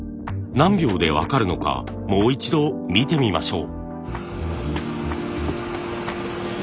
何秒で分かるのかもう一度見てみましょう。